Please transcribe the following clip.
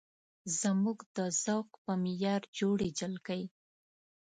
زموږ د ذوق په معیار جوړې جلکۍ